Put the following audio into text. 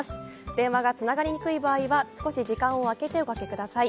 電話がつながりにくい場合は少し時間を空けておかけください。